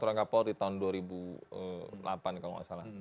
kalau kita lihat di tahun dua ribu delapan kalau nggak salah